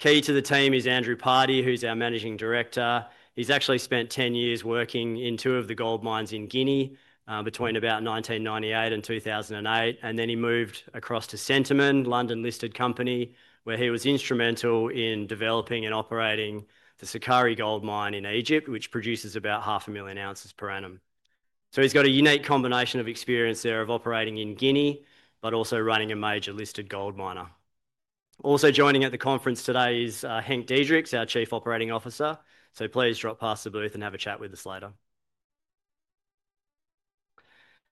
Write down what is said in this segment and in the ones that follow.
Key to the team is Andrew Pardey, who's our Managing Director. He's actually spent 10 years working in two of the gold mines in Guinea between about 1998 and 2008, and then he moved across to SEMAFO, a London-listed company, where he was instrumental in developing and operating the Sukari Gold Mine in Egypt, which produces about half a million ounces per annum. So he's got a unique combination of experience there of operating in Guinea but also running a major listed gold miner. Also joining at the conference today is Henk Diederichs, our Chief Operating Officer, so please drop past the booth and have a chat with us later.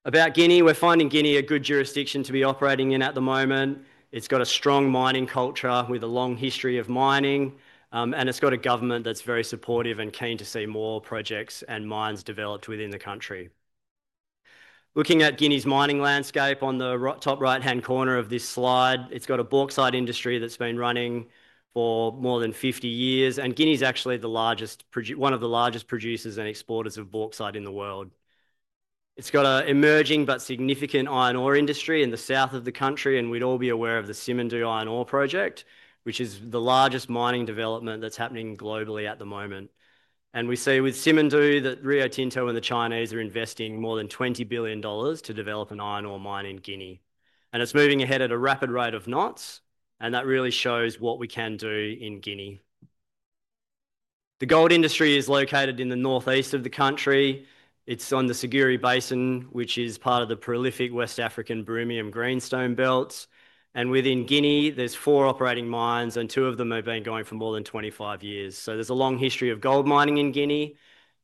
About Guinea, we're finding Guinea a good jurisdiction to be operating in at the moment. It's got a strong mining culture with a long history of mining, and it's got a government that's very supportive and keen to see more projects and mines developed within the country. Looking at Guinea's mining landscape, on the top right-hand corner of this slide, it's got a bauxite industry that's been running for more than 50 years, and Guinea is actually one of the largest producers and exporters of bauxite in the world. It's got an emerging but significant iron ore industry in the south of the country. We'd all be aware of the Simandou Iron Ore Project, which is the largest mining development that's happening globally at the moment. We see with Simandou that Rio Tinto and the Chinese are investing more than $20 billion to develop an iron ore mine in Guinea, and it's moving ahead at a rapid rate of knots, and that really shows what we can do in Guinea. The gold industry is located in the northeast of the country. It's on the Siguiri Basin, which is part of the prolific West African Birimian Greenstone Belt, and within Guinea there's four operating mines, and two of them have been going for more than 25 years. There's a long history of gold mining in Guinea,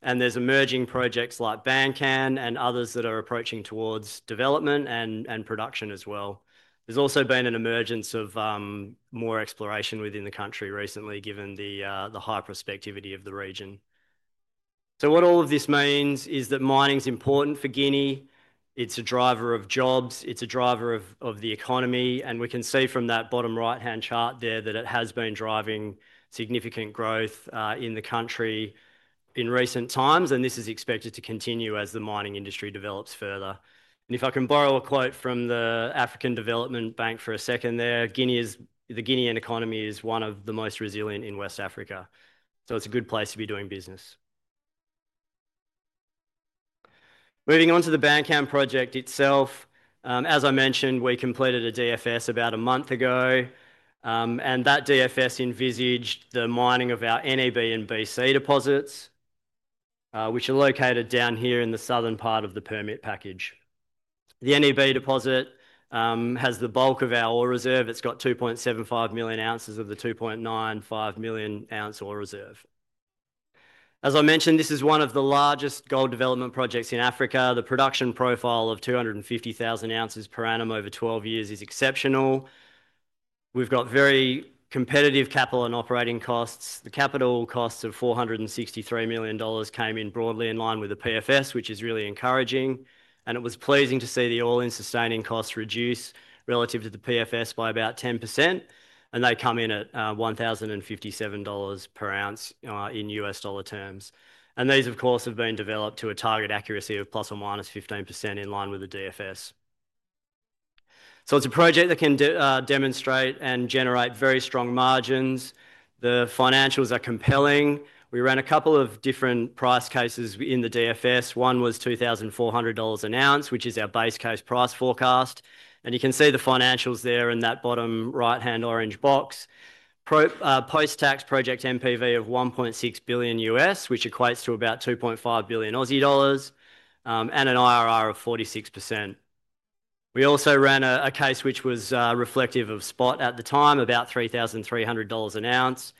and there's emerging projects like Bankan and others that are approaching towards development and production as well. There's also been an emergence of more exploration within the country recently, given the high prospectivity of the region. What all of this means is that mining is important for Guinea. It's a driver of jobs, it's a driver of the economy, and we can see from that bottom right-hand chart there that it has been driving significant growth in the country in recent times, and this is expected to continue as the mining industry develops further. If I can borrow a quote from the African Development Bank for a second there, the Guinean economy is one of the most resilient in West Africa, so it's a good place to be doing business. Moving on to the Bankan Gold Project itself, as I mentioned, we completed a Definitive Feasibility Study about a month ago, and that DFS envisaged the mining of our NEB and BC deposits, which are located down here in the southern part of the permit package. The NEB deposit has the bulk of our ore reserve. It's got 2.75 million ounces of the 2.95 million ounce ore reserve. As I mentioned, this is one of the largest gold development projects in Africa. The production profile of 250,000 ounces per annum over 12 years is exceptional. We've got very competitive capital and operating costs. The capital costs of $463 million came in broadly in line with the PFS, which is really encouraging, and it was pleasing to see the all-in sustaining costs reduce relative to the PFS by about 10%, and they come in at $1,057 per ounce in US dollar terms. These, of course, have been developed to a target accuracy of plus or minus 15% in line with the DFS. It's a project that can demonstrate and generate very strong margins. The financials are compelling. We ran a couple of different price cases in the DFS. One was $2,400 an ounce, which is our base case price forecast, and you can see the financials there in that bottom right-hand orange box. A post-tax project NPV of $1.6 billion US, which equates to about $2.5 billion Aussie dollars, and an IRR of 46%. We also ran a case which was reflective of spot at the time, about $3,300 an ounce,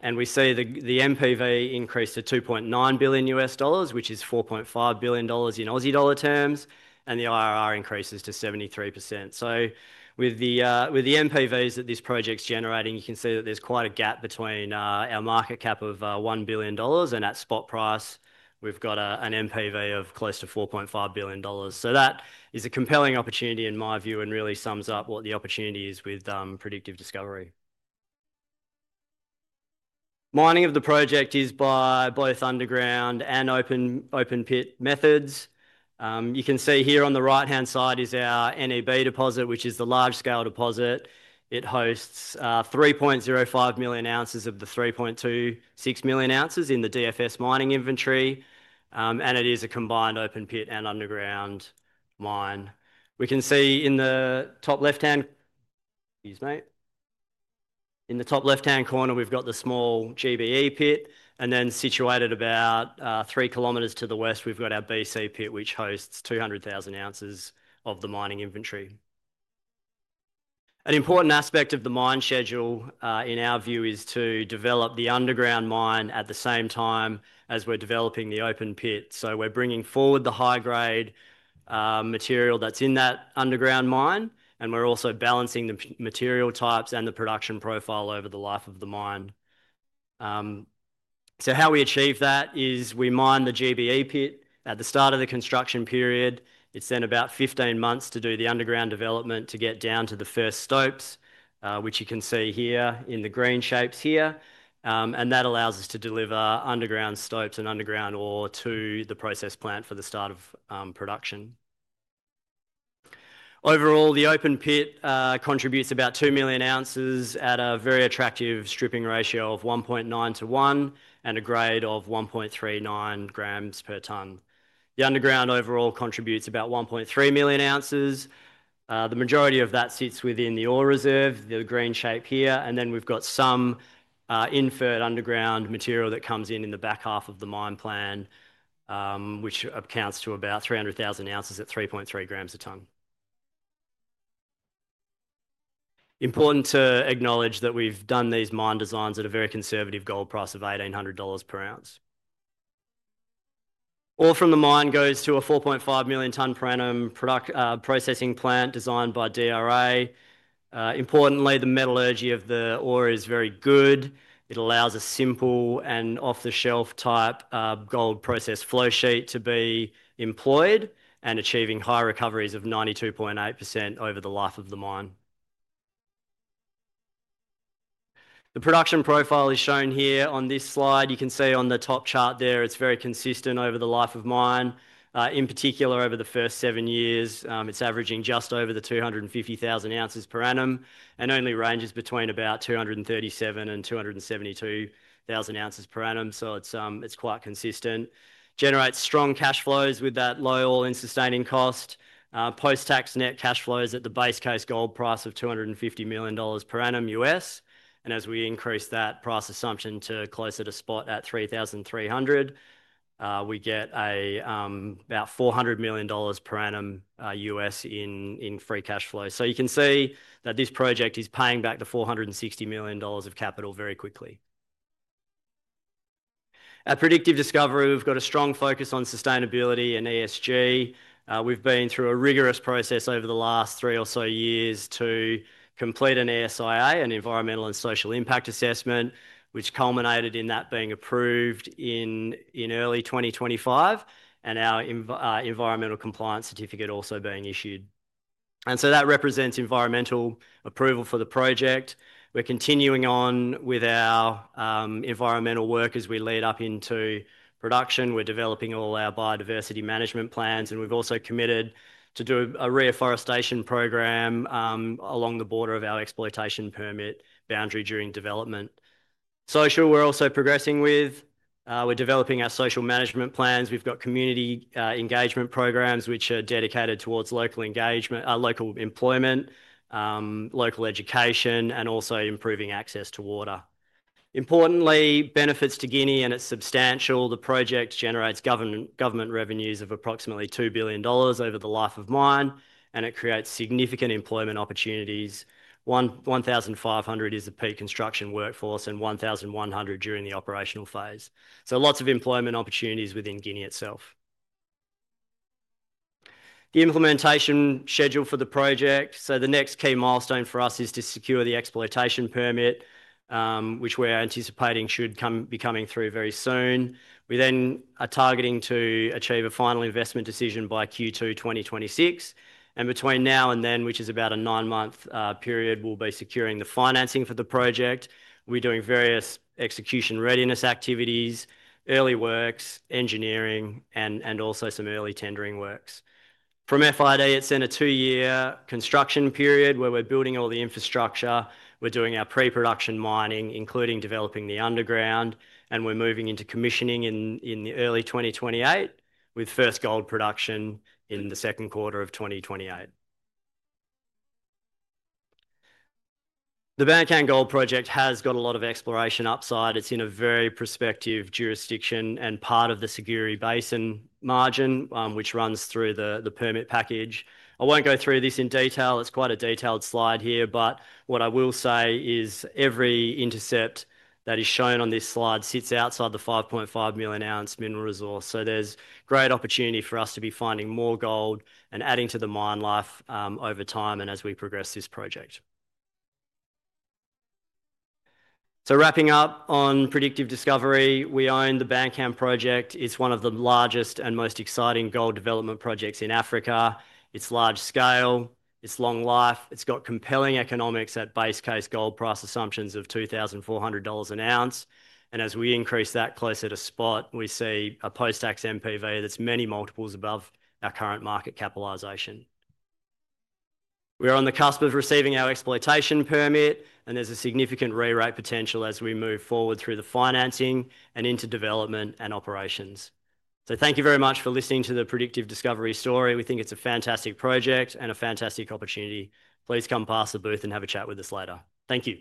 and we see the NPV increased to $2.9 billion U.S. dollars, which is 4.5 billion dollars in Aussie dollar terms, and the IRR increases to 73%. With the NPVs that this project's generating, you can see that there's quite a gap between our market cap of $1 billion and at spot price, we've got an NPV of close to $4.5 billion. That is a compelling opportunity in my view and really sums up what the opportunity is with Predictive Discovery. Mining of the project is by both underground and open pit methods. You can see here on the right-hand side is our NEB deposit, which is the large-scale deposit. It hosts 3.05 million ounces of the 3.26 million ounces in the DFS mining inventory, and it is a combined open pit and underground mine. We can see in the top left-hand... Excuse me. In the top left-hand corner, we've got the small GBE pit, and then situated about three kilometers to the west, we've got our BC pit, which hosts 200,000 ounces of the mining inventory. An important aspect of the mine schedule in our view is to develop the underground mine at the same time as we're developing the open pit. We're bringing forward the high-grade material that's in that underground mine, and we're also balancing the material types and the production profile over the life of the mine. How we achieve that is we mine the GBE pit at the start of the construction period. It's then about 15 months to do the underground development to get down to the first stopes, which you can see here in the green shapes here, and that allows us to deliver underground stopes and underground ore to the process plant for the start of production. Overall, the open pit contributes about 2 million ounces at a very attractive stripping ratio of 1.9 to 1 and a grade of 1.39 grams per ton. The underground overall contributes about 1.3 million ounces. The majority of that sits within the ore reserve, the green shape here, and then we've got some inferred underground material that comes in in the back half of the mine plan, which accounts to about 300,000 ounces at 3.3 grams a ton. Important to acknowledge that we've done these mine designs at a very conservative gold price of $1,800 per ounce. Ore from the mine goes to a 4.5 million-ton per annum processing plant designed by DRA. Importantly, the metallurgy of the ore is very good. It allows a simple and off-the-shelf type gold process flow sheet to be employed and achieving high recoveries of 92.8% over the life of the mine. The production profile is shown here on this slide. You can see on the top chart there it's very consistent over the life of mine. In particular, over the first seven years, it's averaging just over the 250,000 ounces per annum and only ranges between about 237,000 and 272,000 ounces per annum, so it's quite consistent. Generates strong cash flows with that low all-in sustaining cost. Post-tax net cash flows at the base case gold price of $250 million per annum U.S., and as we increase that price assumption to closer to spot at $3,300, we get about $400 million per annum U.S. in free cash flow. You can see that this project is paying back the $460 million of capital very quickly. At Predictive Discovery, we've got a strong focus on sustainability and ESG. We've been through a rigorous process over the last three or so years to complete an ESIA, an Environmental and Social Impact Assessment, which culminated in that being approved in early 2025 and our Environmental Compliance Certificate also being issued. That represents environmental approval for the project. We're continuing on with our environmental work as we lead up into production. We're developing all our biodiversity management plans, and we've also committed to do a reforestation program along the border of our exploitation permit boundary during development. Social, we're also progressing with. We're developing our social management plans. We've got community engagement programs which are dedicated towards local employment, local education, and also improving access to water. Importa``ntly, benefits to Guinea and it's substantial. The project generates government revenues of approximately $2 billion over the life of mine, and it creates significant employment opportunities. 1,500 is the pre-construction workforce and 1,100 during the operational phase. Lots of employment opportunities within Guinea itself. Implementation schedule for the project. The next key milestone for us is to secure the exploitation permit, which we're anticipating should be coming through very soon. We then are targeting to achieve a final investment decision by Q2 2026, and between now and then, which is about a nine-month period, we'll be securing the financing for the project. We're doing various execution readiness activities, early works, engineering, and also some early tendering works. From FID, it's in a two-year construction period where we're building all the infrastructure. We're doing our pre-production mining, including developing the underground, and we're moving into commissioning in early 2028 with first gold production in the second quarter of 2028. The Bankan Gold Project has got a lot of exploration upside. It's in a very prospective jurisdiction and part of the Siguiri Basin margin, which runs through the permit package. I won't go through this in detail. It's quite a detailed slide here, but what I will say is every intercept that is shown on this slide sits outside the 5.5 million ounce mineral resource. There's great opportunity for us to be finding more gold and adding to the mine life over time and as we progress this project. Wrapping up on Predictive Discovery, we own the Bankan project. It's one of the largest and most exciting gold development projects in Africa. It's large scale. It's long life. It's got compelling economics at base case gold price assumptions of US$2,400 an ounce, and as we increase that closer to spot, we see a post-tax NPV that's many multiples above our current market capitalization. We are on the cusp of receiving our exploitation permit, and there's a significant market re-rating potential as we move forward through the financing and into development and operations. Thank you very much for listening to the Predictive Discovery story. We think it's a fantastic project and a fantastic opportunity. Please come past the booth and have a chat with us later. Thank you.